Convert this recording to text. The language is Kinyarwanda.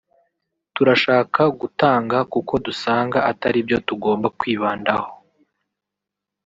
turashaka kugatanga kuko dusanga atari byo tugomba kwibandaho